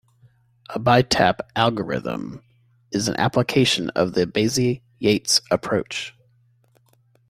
The bitap algorithm is an application of Baeza-Yates' approach.